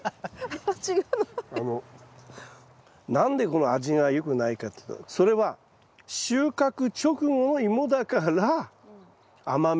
何でこの味が良くないかっていうとそれは収穫直後の芋だから甘みが若干少ない。